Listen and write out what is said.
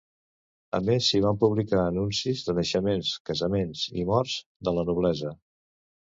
A més s'hi van publicar anuncis de naixements, casaments i morts de la noblesa.